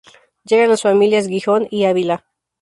Llegan las familias Gijón y Ávila.